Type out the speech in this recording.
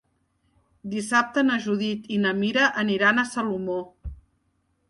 Dissabte na Judit i na Mira aniran a Salomó.